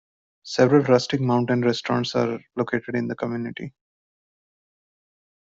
Several rustic mountain restaurants are located in the community.